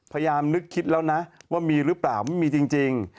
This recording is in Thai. พยายามนึกคิดแล้วนะว่ามีหรือเปล่าไม่มีจริง